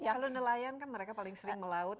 kalau nelayan kan mereka paling sering melaut